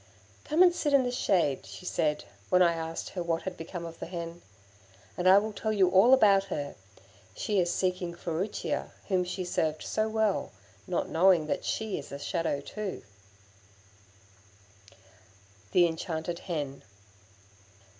"Come and sit in the shade," she said, when I asked her what had become of the hen, "and I will tell you all about her. She is seeking Furicchia, whom she served so well, not knowing that she is a shadow too." The Enchanted Hen.